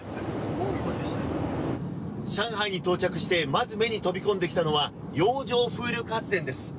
上海に到着してまず目に飛び込んできたのは洋上風力発電です。